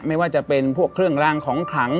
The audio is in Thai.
ไม่ว่าจะเป็นพวกเครื่องรางของขลัง